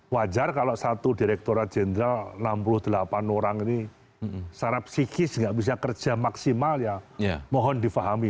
wajar kalau satu direkturat jenderal enam puluh delapan orang ini secara psikis nggak bisa kerja maksimal ya mohon difahami